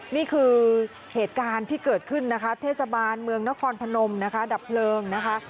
นี่คือเหตุการณ์ที่เกิดขึ้นนะคะเทศบาลเมืองนครพนมนะคะดับเพลิงนะคะ